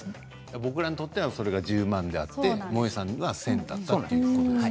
僕らにとってはそれが１０万であってもえさんにとっては１０００だったんですね。